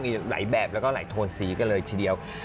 มีหลายแบบแล้วก็หลายโทนสีกันเลยทีเดียว